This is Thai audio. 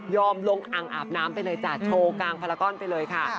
ลงอ่างอาบน้ำไปเลยจ้ะโชว์กลางพารากอนไปเลยค่ะ